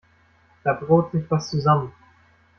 Da braut sich was zusammen.